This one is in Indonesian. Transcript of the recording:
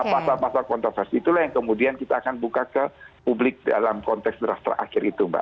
pasal pasal kontroversi itulah yang kemudian kita akan buka ke publik dalam konteks draft terakhir itu mbak